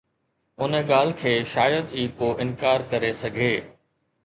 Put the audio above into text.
ان ڳالهه کان شايد ئي ڪو انڪار ڪري سگهي